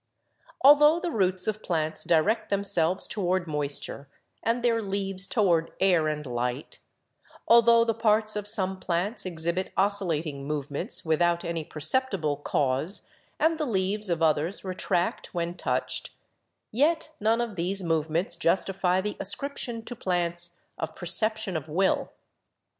90 BIOLOGY Altho the roots of plants direct themselves toward moisture and their leaves toward air and light, altho the parts of some plants exhibit oscillating movements without any perceptible cause and the leaves of others retract when touched, yet none of these movements justify the ascription to plants of perception of will.